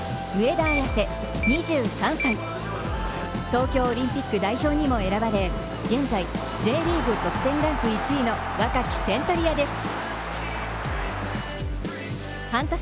東京オリンピック代表にも選ばれ、現在Ｊリーグ得点ランク１位の若き点取り屋です。